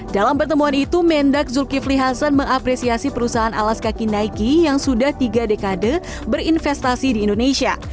dalam pertemuan itu mendak zulkifli hasan mengapresiasi perusahaan alas kaki nike yang sudah tiga dekade berinvestasi di indonesia